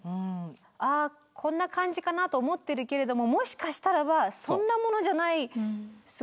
ああこんな感じかなと思ってるけれどももしかしたらばそんなものじゃないすごい大きな揺れが来るかもって。